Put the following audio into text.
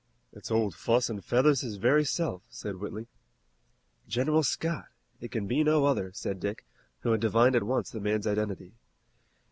"It's Old Fuss and Feathers his very self," said Whitley. "General Scott. It can be no other," said Dick, who had divined at once the man's identity.